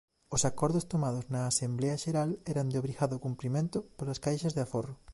Os acordos tomados na Asemblea Xeral eran de obrigado cumprimento polas caixas de aforro.